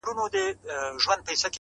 • بازاري ویل راځه چي ځو ترکوره,